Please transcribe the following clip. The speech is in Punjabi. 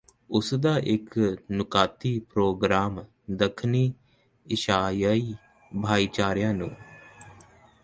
ਉਸਦਾ ਇਕ ਨੁਕਾਤੀ ਪ੍ਰੋਗਰਾਮ ਦੱਖਣੀ ਏਸ਼ੀਆਈ ਭਾਈਚਾਰਿਆਂ ਨੂੰ